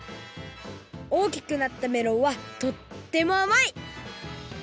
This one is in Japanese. おおきくなったメロンはとってもあまい！